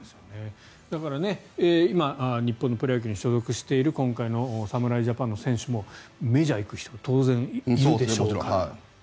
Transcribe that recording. だから今日本のプロ野球に所属している今回の侍ジャパンの選手もメジャーに行く人が当然、いるでしょうから。